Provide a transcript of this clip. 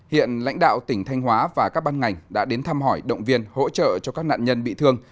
hiện lãnh đạo tỉnh thanh hóa và các ban ngành đã đến thăm hỏi động viên hỗ trợ cho các nạn nhân bị thương